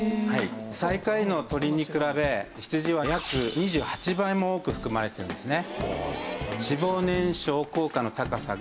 最下位の鶏に比べ羊は約２８倍も多く含まれてるんですね。